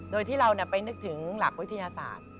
โดยที่เราไปนึกถึงหลักวิทยาศาสตร์